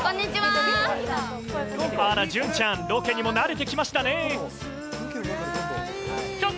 あーら、隼ちゃん、ロケにも慣れてきましたね。